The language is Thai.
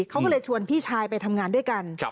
เขาก็เลยชวนพี่ชายไปทำงานด้วยกัน